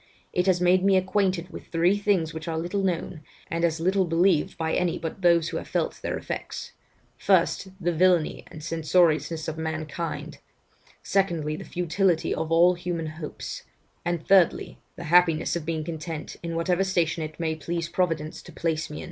It has made me acquainted with three things which are little known, and as little believed by any but those who have felt their effects: first, the villany and censoriousness of mankind; secondly, the futility of all human hopes; and thirdly, the happiness of being content in whatever station it may please Providence to place me.